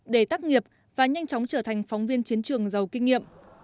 để tác nghiệp và nhanh chóng trở thành phóng viên chiến trường giàu kinh nghiệm